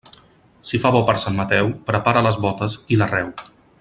Si fa bo per Sant Mateu, prepara les bótes i l'arreu.